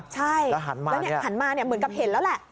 ใช่แล้วหันมาเหมือนกับเห็นแล้วแหละ